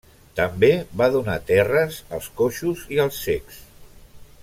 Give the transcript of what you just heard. També va donar terres als coixos i als cecs.